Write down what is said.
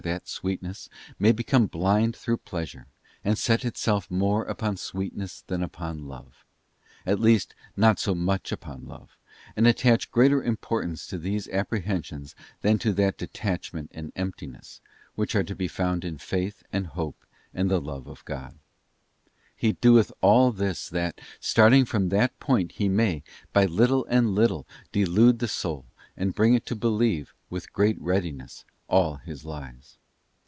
that sweetness, may become blind through pleasure, and set itself more upon sweetness than upon love—at least not so much upon love—and attach greater importance to these apprehensions than to that detachment and emptiness, which are to be found in Faith and Hope and the Love of God. He doeth all this that, starting from that point, he may, by little and little, delude the soul, and bring it to believe, with great readiness, all his lies.